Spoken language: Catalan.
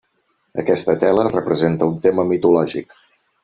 Aquesta tela representa un tema mitològic.